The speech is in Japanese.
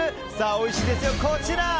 おいしいですよ、こちら。